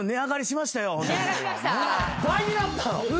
倍になったの！